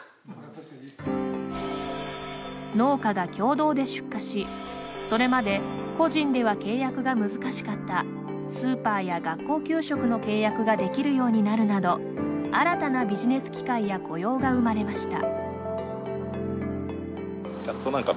農家が共同で出荷し、それまで個人では契約が難しかったスーパーや学校給食の契約ができるようになるなど新たなビジネス機会や雇用が生まれました。